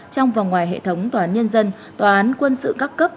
trong và ngoài hệ thống tòa án nhân dân tòa án quân sự các cấp